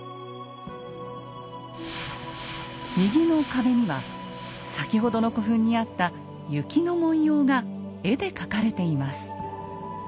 右の壁には先ほどの古墳にあった靫の文様が絵で描かれています。